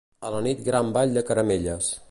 A la nit Gran ball de Caramelles.